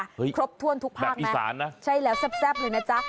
เฮ้ยครบถ้วนทุกภาพแบบอีสานนะใช่แล้วแซ่บแซ่บเลยนะจ๊ะ